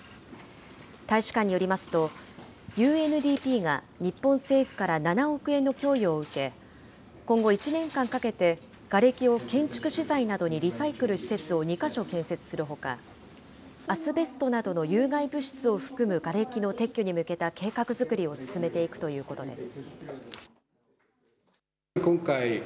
大使館によりますと、ＵＮＤＰが日本政府から７億円の供与を受け、今後１年間かけてがれきを建築資材などにリサイクルする施設を２か所建設するほか、アスベストなどの有害物質を含むがれきの撤去に向けた計画づくりを進めていくということです。